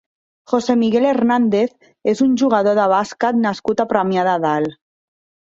José Miguel Hernández és un jugador de bàsquet nascut a Premià de Dalt.